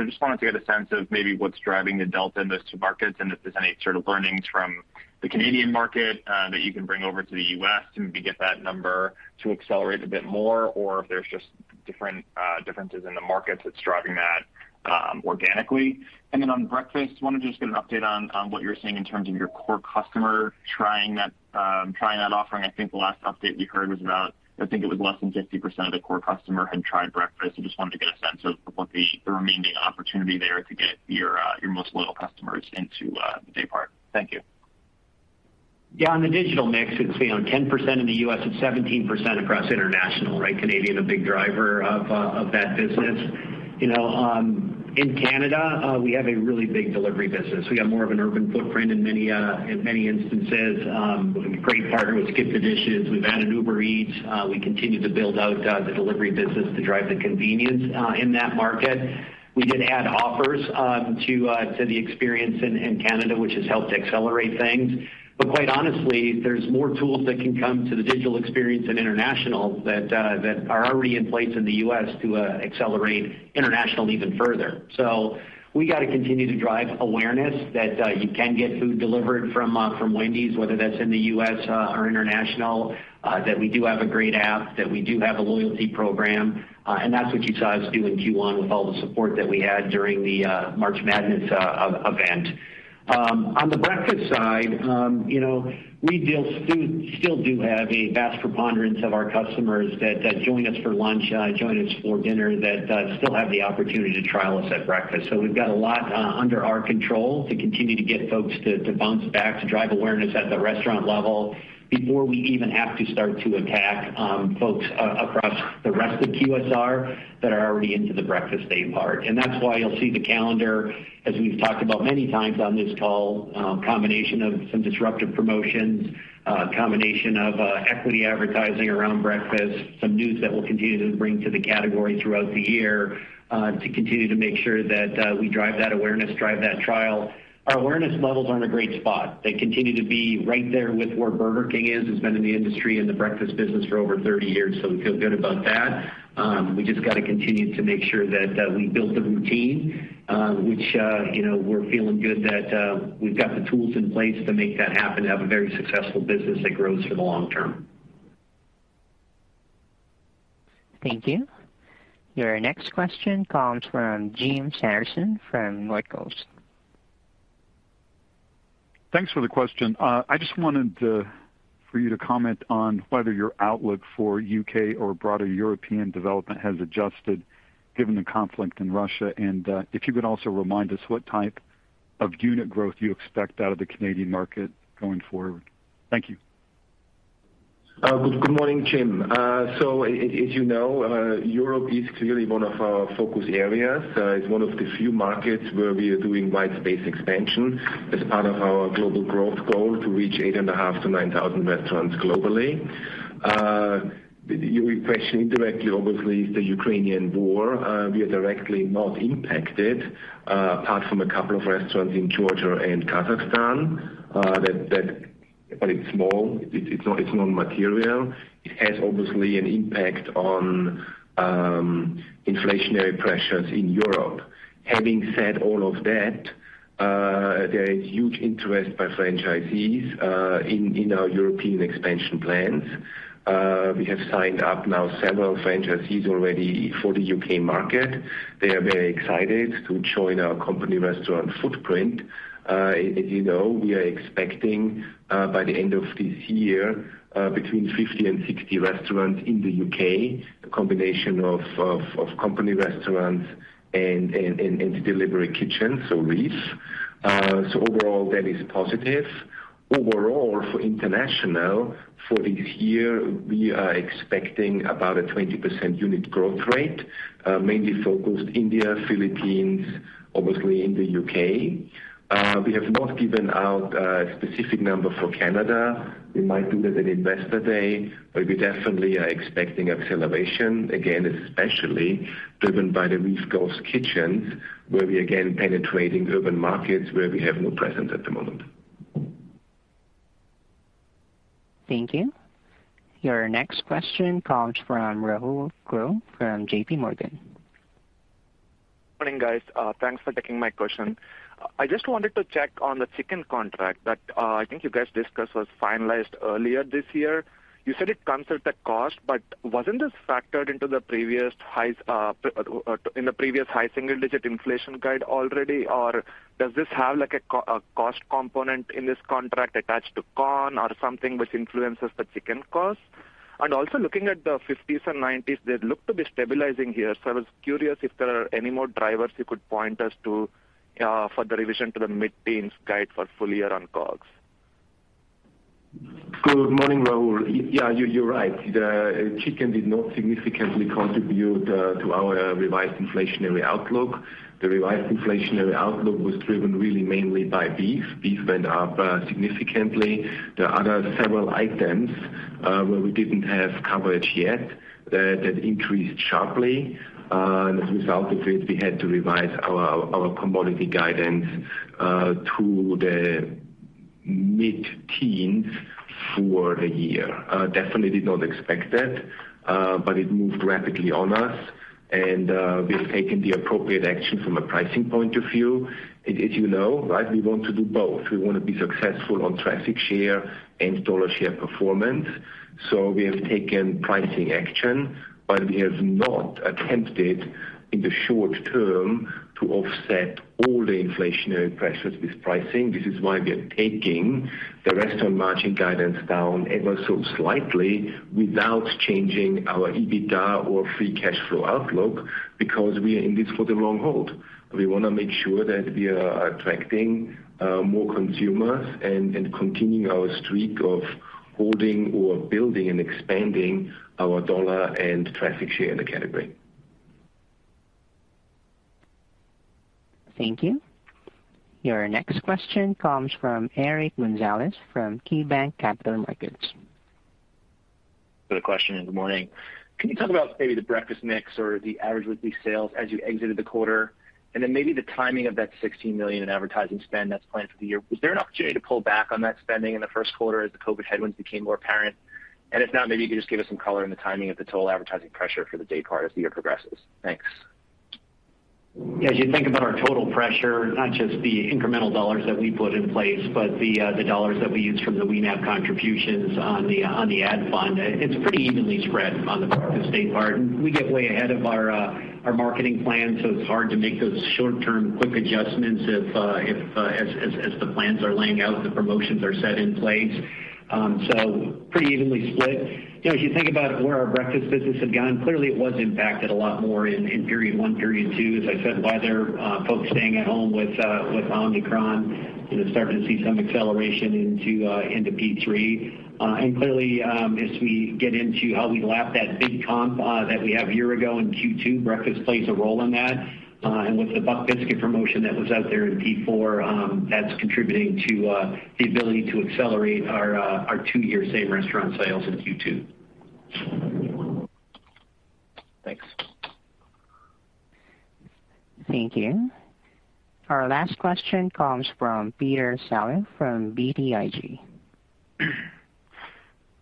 Just wanted to get a sense of maybe what's driving the delta in those two markets and if there's any sort of learnings from the Canadian market that you can bring over to the US to maybe get that number to accelerate a bit more or if there's just different differences in the markets that's driving that organically. On breakfast, wanted to just get an update on what you're seeing in terms of your core customer trying that offering. I think the last update we heard was about. I think it was less than 50% of the core customer had tried breakfast. Just wanted to get a sense of what the remaining opportunity there to get your most loyal customers into the day part. Thank you. Yeah, on the digital mix, it's, you know, 10% in the US, it's 17% across international, right? Canada, a big driver of that business. You know, in Canada, we have a really big delivery business. We have more of an urban footprint in many instances. Great partner with SkipTheDishes. We've added Uber Eats. We continue to build out the delivery business to drive the convenience in that market. We did add offers to the experience in Canada, which has helped accelerate things. But quite honestly, there's more tools that can come to the digital experience in international that are already in place in the US to accelerate international even further. We got to continue to drive awareness that you can get food delivered from Wendy's, whether that's in the U.S. or international, that we do have a great app, that we do have a loyalty program. That's what you saw us do in Q1 with all the support that we had during the March Madness event. On the breakfast side, you know, we still do have a vast preponderance of our customers that join us for lunch, join us for dinner that still have the opportunity to trial us at breakfast. We've got a lot under our control to continue to get folks to bounce back, to drive awareness at the restaurant level before we even have to start to attack folks across the rest of QSR that are already into the breakfast daypart. That's why you'll see the calendar, as we've talked about many times on this call, combination of some disruptive promotions, combination of equity advertising around breakfast, some news that we'll continue to bring to the category throughout the year, to continue to make sure that we drive that awareness, drive that trial. Our awareness levels are in a great spot. They continue to be right there with where Burger King is, who's been in the industry in the breakfast business for over 30 years, so we feel good about that. We just gotta continue to make sure that we build the routine, which, you know, we're feeling good that we've got the tools in place to make that happen to have a very successful business that grows for the long term. Thank you. Your next question comes from Jim Sanderson from Northcoast Research. Thanks for the question. I just wanted for you to comment on whether your outlook for U.K. or broader European development has adjusted given the conflict in Russia. If you could also remind us what type of unit growth you expect out of the Canadian market going forward. Thank you. Good morning, Jim. As you know, Europe is clearly one of our focus areas. It's one of the few markets where we are doing white space expansion as part of our global growth goal to reach 8.5-9,000 restaurants globally. Your question indirectly obviously is the Ukrainian war. We are directly not impacted, apart from a couple of restaurants in Georgia and Kazakhstan. It's small. It's not. It's non-material. It has obviously an impact on inflationary pressures in Europe. Having said all of that, there is huge interest by franchisees in our European expansion plans. We have signed up now several franchisees already for the UK market. They are very excited to join our company restaurant footprint. As you know, we are expecting by the end of this year between 50 and 60 restaurants in the U.K., a combination of company restaurants and delivery kitchens, so Reef. So overall, that is positive. Overall, for international, for this year, we are expecting about a 20% unit growth rate, mainly focused in India, Philippines, obviously in the U.K. We have not given out a specific number for Canada. We might do that at Investor Day, but we definitely are expecting acceleration, again, especially driven by the Reef ghost kitchens, where we are again penetrating urban markets where we have no presence at the moment. Thank you. Your next question comes from Rahul Krotthapalli from J.P. Morgan. Morning, guys. Thanks for taking my question. I just wanted to check on the chicken contract that I think you guys discussed was finalized earlier this year. You said it comes with a cost, but wasn't this factored into the previous high single-digit inflation guide already? Or does this have, like, a cost component in this contract attached to corn or something which influences the chicken cost? Also looking at the 50s and 90s, they look to be stabilizing here. I was curious if there are any more drivers you could point us to for the revision to the mid-teens guide for full year on costs. Good morning, Rahul. Yeah, you're right. The chicken did not significantly contribute to our revised inflationary outlook. The revised inflationary outlook was driven really mainly by beef. Beef went up significantly. There are other several items where we didn't have coverage yet that increased sharply. As a result of it, we had to revise our commodity guidance to the mid-teens for the year. Definitely did not expect that, but it moved rapidly on us, and we have taken the appropriate action from a pricing point of view. As you know, right, we want to do both. We wanna be successful on traffic share and dollar share performance. We have taken pricing action, but we have not attempted in the short term to offset all the inflationary pressures with pricing. This is why we are taking the restaurant margin guidance down ever so slightly without changing our EBITDA or free cash flow outlook, because we are in this for the long haul. We wanna make sure that we are attracting more consumers and continuing our streak of holding or building and expanding our dollar and traffic share in the category. Thank you. Your next question comes from Eric Gonzalez from KeyBanc Capital Markets. For the question, good morning. Can you talk about maybe the breakfast mix or the average weekly sales as you exited the quarter? Then maybe the timing of that $16 million in advertising spend that's planned for the year. Was there an opportunity to pull back on that spending in the first quarter as the COVID headwinds became more apparent? If not, maybe you could just give us some color on the timing of the total advertising pressure for the day part as the year progresses. Thanks. As you think about our total pressure, not just the incremental dollars that we put in place, but the dollars that we use from the WENAF contributions on the ad fund, it's pretty evenly spread on the breakfast day part. We get way ahead of our marketing plan, so it's hard to make those short-term quick adjustments if as the plans are laying out, the promotions are set in place. Pretty evenly split. You know, if you think about where our breakfast business had gone, clearly it was impacted a lot more in period one, period two, as I said, by their folks staying at home with Omicron, you know, starting to see some acceleration into P3. Clearly, as we get into how we lap that big comp that we have a year ago in Q2, breakfast plays a role in that. With the Buck Biscuit promotion that was out there in Q4, that's contributing to the ability to accelerate our two-year same restaurant sales in Q2. Thanks. Thank you. Our last question comes from Peter Saleh from BTIG.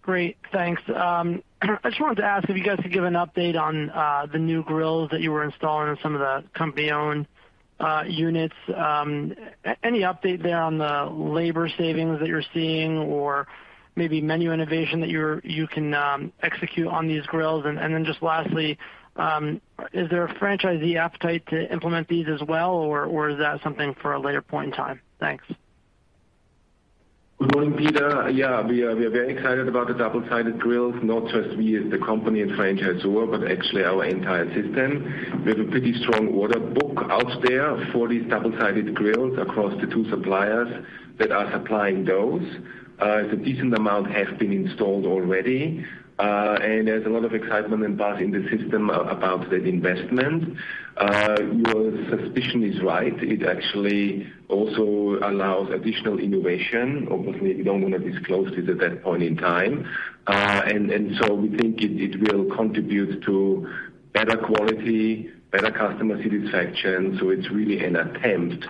Great. Thanks. I just wanted to ask if you guys could give an update on the new grills that you were installing in some of the company-owned units. Any update there on the labor savings that you're seeing or maybe menu innovation that you can execute on these grills? Then just lastly, is there a franchisee appetite to implement these as well, or is that something for a later point in time? Thanks. Good morning, Peter. Yeah. We are very excited about the double-sided grills, not just we as the company and franchisor, but actually our entire system. We have a pretty strong order book out there for these double-sided grills across the two suppliers that are supplying those. It's a decent amount has been installed already, and there's a lot of excitement and buzz in the system about that investment. Your suspicion is right. It actually also allows additional innovation. Obviously, we don't wanna disclose it at that point in time. We think it will contribute to better quality, better customer satisfaction, so it's really an attempt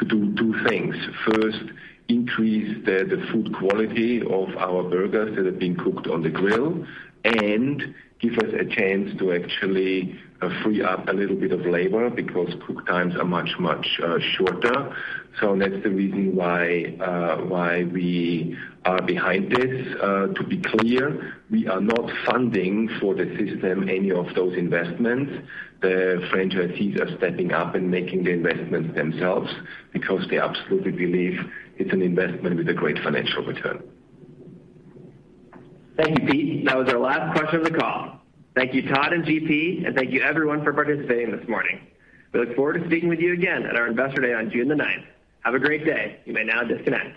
to do two things. First, increase the food quality of our burgers that are being cooked on the grill and give us a chance to actually free up a little bit of labor because cook times are much shorter. That's the reason why we are behind this. To be clear, we are not funding for the system any of those investments. The franchisees are stepping up and making the investments themselves because they absolutely believe it's an investment with a great financial return. Thank you, Pete. That was our last question of the call. Thank you, Todd and GP, and thank you everyone for participating this morning. We look forward to speaking with you again at our Investor Day on June the ninth. Have a great day. You may now disconnect.